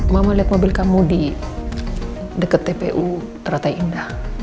mama liat mobil kamu di deket tpu rata indah